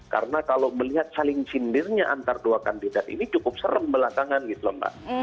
karena kalau melihat saling cindirnya antara dua kandidat ini cukup serem belakangan gitu lho mbak